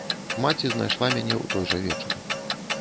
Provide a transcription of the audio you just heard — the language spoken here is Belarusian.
Маці знайшла мяне ў той жа вечар.